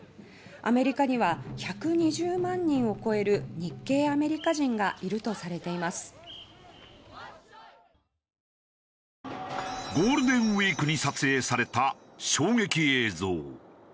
アメリカには１２０万人を超えるゴールデンウィークに撮影された衝撃映像。